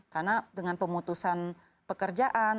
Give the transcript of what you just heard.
karena dengan pemutusan pekerjaan